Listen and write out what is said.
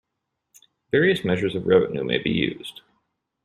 Various measures of revenue may be used.